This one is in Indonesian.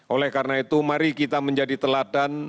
oleh karena itu mari kita menjadi teladan